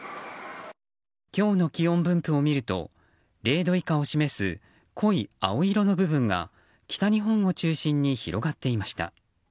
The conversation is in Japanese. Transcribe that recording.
今日の気温分布を見ると０度以下を示す濃い青色の部分が北日本を中心に広がっていました。